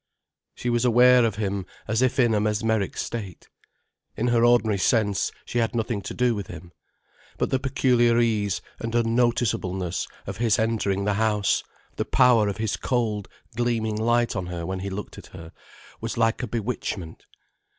She was aware of him as if in a mesmeric state. In her ordinary sense, she had nothing to do with him. But the peculiar ease and unnoticeableness of his entering the house, the power of his cold, gleaming light on her when he looked at her, was like a bewitchment.